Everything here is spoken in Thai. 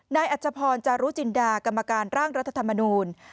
อัชพรจารุจินดากรรมการร่างรัฐธรรมนูล